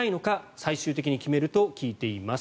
最終的に決めると聞いています。